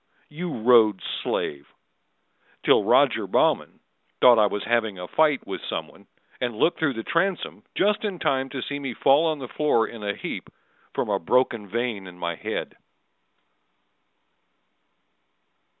You Rhodes' slave! Till Roger Baughman Thought I was having a fight with some one, And looked through the transom just in time To see me fall on the floor in a heap From a broken vein in my head.